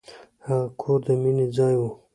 هغه کور د مینې ځای و.